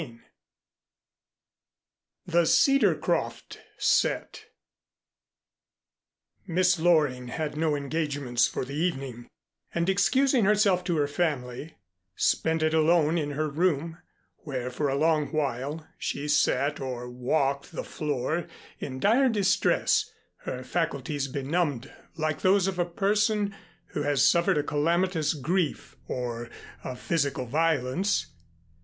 XI THE CEDARCROFT SET Miss Loring had no engagements for the evening, and excusing herself to her family, spent it alone in her room, where for a long while she sat or walked the floor, in dire distress, her faculties benumbed like those of a person who has suffered a calamitous grief or a physical violence.